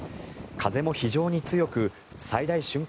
風も非常に強く最大瞬間